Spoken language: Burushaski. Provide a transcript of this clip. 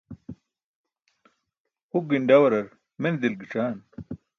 Huk ginḍawarar mene dilk gi̇c̣aan?